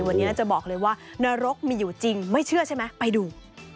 วันนี้จะบอกเลยว่านรกมีอยู่จริงไม่เชื่อใช่ไหมไปดู